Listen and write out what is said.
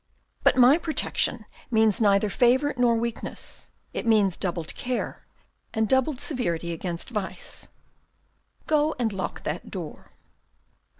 But my protection means neither favour nor weakness, it means doubled care, and doubled severity against vice. Go and lock that door."